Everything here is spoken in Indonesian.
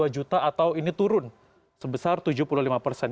dua juta atau ini turun sebesar tujuh puluh lima persen